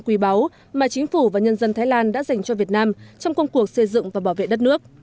quý báu mà chính phủ và nhân dân thái lan đã dành cho việt nam trong công cuộc xây dựng và bảo vệ đất nước